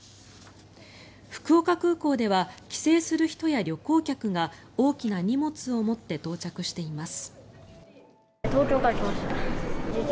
福岡空港では帰省する人や旅行客が大きな荷物を持って到着しています。